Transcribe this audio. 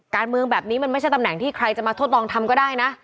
การเมืองแบบนี้มันไม่ใช่ตำแหน่งที่ใครจะมาทดลองทำก็ได้นะ